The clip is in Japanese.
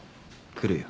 来るよ。